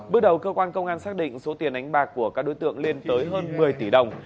bước đầu cơ quan công an xác định số tiền đánh bạc của các đối tượng lên tới hơn một mươi tỷ đồng